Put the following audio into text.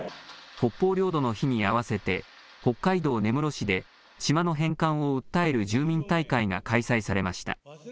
北方領土の日に合わせて、北海道根室市で島の返還を訴える住民大会が開催されました。